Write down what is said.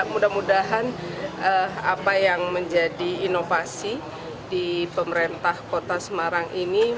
mudah mudahan apa yang menjadi inovasi di pemerintah kota semarang ini